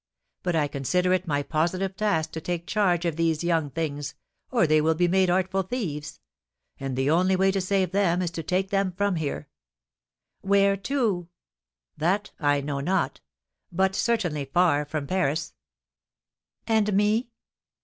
But I consider it my positive task to take charge of these young things, or they will be made artful thieves. And the only way to save them is to take them from here." "Where to?" "That I know not; but certainly far from Paris." "And me?"